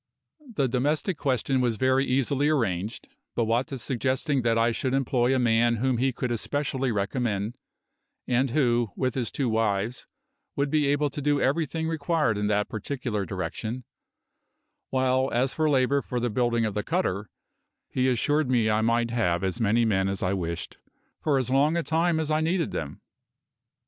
The domestic question was very easily arranged, Bowata suggesting that I should employ a man whom he could especially recommend, and who, with his two wives, would be able to do everything required in that particular direction; while as for labour for the building of the cutter, he assured me I might have as many men as I wished, for as long a time as I needed them.